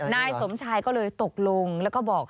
นายสมชายก็เลยตกลงแล้วก็บอก